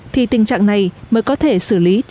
thì tình trạng này mới có thể xử lý triệt đề